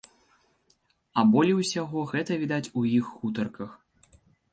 А болей усяго гэта відаць у іх гутарках.